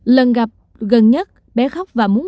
lần gặp gần nhất bé khóc và muốn về